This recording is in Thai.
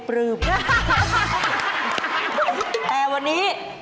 แม่บอกว่าแม่บอกว่าแม่บอกว่าแม่บอกว่าแม่บอกว่า